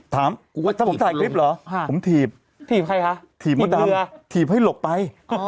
ถามว่าถ้าผมถ่ายคลิปเหรอผมถีบถีบใครคะถีบมดดำถีบให้หลบไป